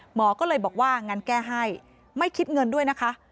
หมอก็เลยบอกว่างั้นแก้ให้ไม่คิดเงินด้วยนะคะ